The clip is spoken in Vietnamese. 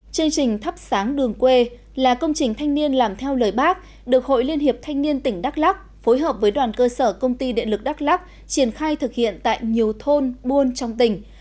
chương trình thắp sáng đường quê là công trình thanh niên làm theo lời bác được hội liên hiệp thanh niên tỉnh đắk lắc phối hợp với đoàn cơ sở công ty điện lực đắk lắc triển khai thực hiện tại nhiều thôn buôn trong tỉnh